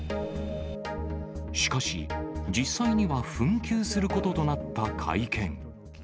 しかし、実際には紛糾することとなった会見。